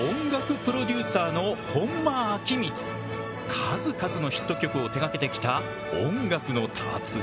数々のヒット曲を手がけてきた音楽の達人だぞ。